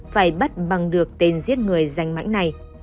phải bắt bằng được tên giết người danh mãnh này